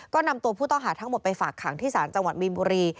ก็นำตัวผู้ต้องหาทั้งหมดไปฝากขังที่ศาลจังหวัดมีนบุรี